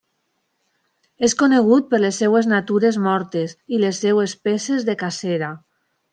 És conegut per les seves natures mortes i les seves peces de cacera.